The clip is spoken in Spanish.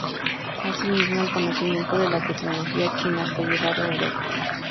Asimismo, el conocimiento de la tecnología china fue llevado a Europa.